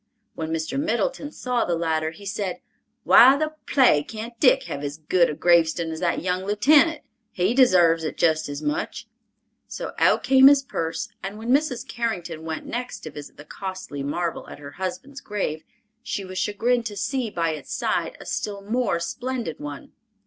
When Mr. Middleton saw the latter, he said, "Why the plague can't Dick have as good a gravestun as that young lieutenant? He desarves it jest as much"; so out came his purse, and when Mrs. Carrington went next to visit the costly marble at her husband's grave, she was chagrined to see by its side a still more splendid one.